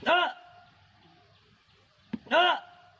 อื้อ